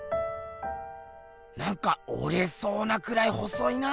なんかおれそうなくらい細いな。